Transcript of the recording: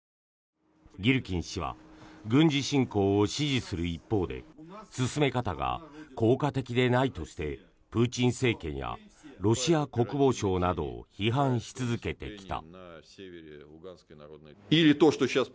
ギルキン氏は軍事侵攻を支持する一方で進め方が効果的でないとしてプーチン政権やロシア国防省などを批判し続けてきた。